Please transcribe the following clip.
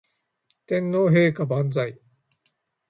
天皇陛下万歳